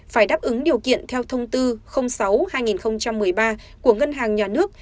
phải đáp ứng điều kiện theo thông tư sáu hai nghìn một mươi ba của ngân hàng nhà nước